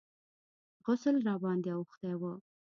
غسل راباندې اوښتى و.